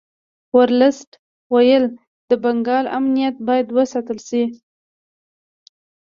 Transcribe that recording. ورلسټ ویل د بنګال امنیت باید وساتل شي.